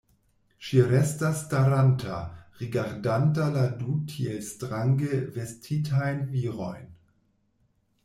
Ŝi restas staranta, rigardante la du tiel strange vestitajn virojn.